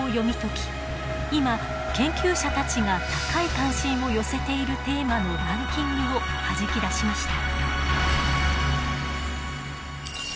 今研究者たちが高い関心を寄せているテーマのランキングをはじき出しました。